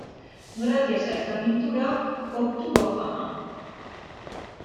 Gracias a esta pintura, obtuvo fama.